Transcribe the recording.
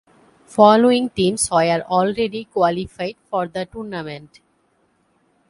Following teams were already qualified for the tournament.